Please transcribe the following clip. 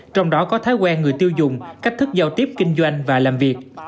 trong đó có thói quen người tiêu dùng cách thức giao tiếp kinh doanh và làm việc